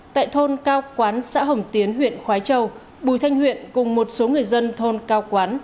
tại thôn cao quán xã hồng tiến huyện khói châu bùi thanh huyện cùng một số người dân thôn cao quán